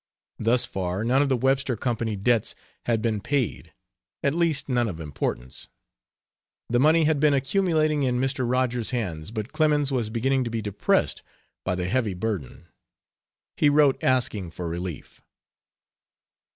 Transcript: Thus far none of the Webster Company debts had been paid at least, none of importance. The money had been accumulating in Mr. Rogers's hands, but Clemens was beginning to be depressed by the heavy burden. He wrote asking for relief.